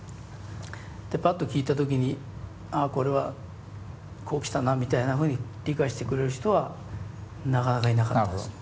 パッと聴いた時に「あこれはこう来たな」みたいなふうに理解してくれる人はなかなかいなかったですよ。